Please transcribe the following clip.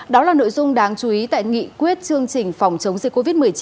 đó là nội dung đáng chú ý tại nghị quyết chương trình phòng chống dịch covid một mươi chín